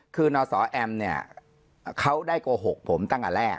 คือนศแอมเนี่ยเขาได้โกหกผมตั้งแต่แรก